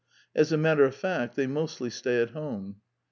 As a mat ter of fact, they mostly stay at home.